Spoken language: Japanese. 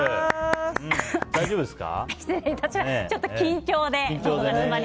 ちょっと緊張で。